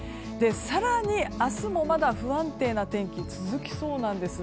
更に、明日もまだ不安定な天気が続きそうなんです。